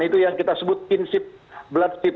itu yang kita sebut prinsip bloodship